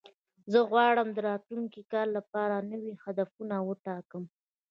زه غواړم د راتلونکي کال لپاره نوي هدفونه وټاکم.